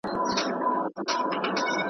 ډېر مو په لیلا پسي تڼاکي سولولي دي .